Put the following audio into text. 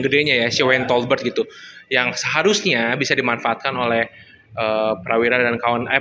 sepertinya ya siwet albert gitu yang seharusnya bisa dimanfaatkan oleh prawira dan kawan kawan